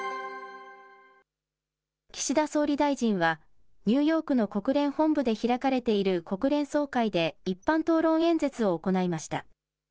岸田総理大臣は、ニューヨークの国連本部で開かれている国連総会で、一般討論演説を行いました。